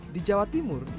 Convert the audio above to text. di jawa timur